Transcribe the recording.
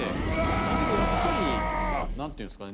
だけどやっぱりなんていうんですかね